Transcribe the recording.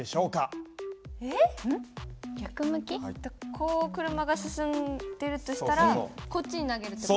こう車が進んでるとしたらこっちに投げるって事？